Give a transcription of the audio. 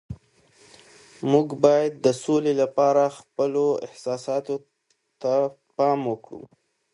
موږ باید د سولي لپاره خپلو احساساتو ته پام وکړو.